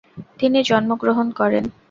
তিনি জন্ম গ্রহণ করেন।